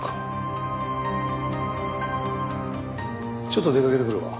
ちょっと出かけてくるわ。